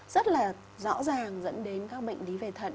rất là rõ ràng dẫn đến các bệnh lý về thận